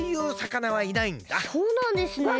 そうなんですね。